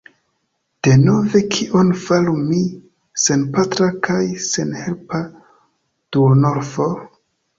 Denove kion faru mi, senpatra kaj senhelpa duonorfo?